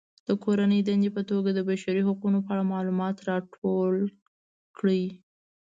د کورنۍ دندې په توګه د بشري حقونو په اړه معلومات راټول کړئ.